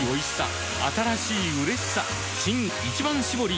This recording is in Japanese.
新「一番搾り」